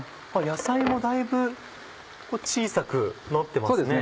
野菜もだいぶ小さくなってますね。